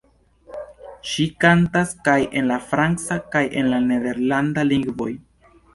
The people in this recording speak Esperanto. Ŝi kantas kaj en la franca kaj en la nederlanda lingvoj.